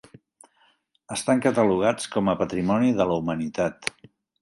Estan catalogats com a Patrimoni de la Humanitat.